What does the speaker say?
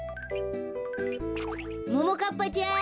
ももかっぱちゃん。